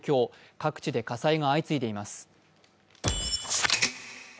各地で火災が相次いでいます。